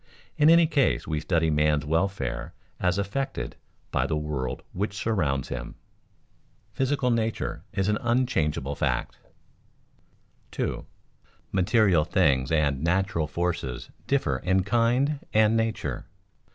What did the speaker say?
In any case we study man's welfare as affected by the world which surrounds him. [Sidenote: Physical nature is an unchangeable fact] 2. _Material things and natural forces differ in kind and nature.